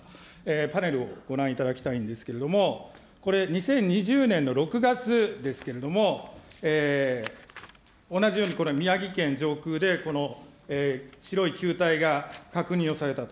パネルをご覧いただきたいんですけれども、これ、２０２０年の６月ですけれども、同じようにこれ、宮城県上空でこの白い球体が確認をされたと。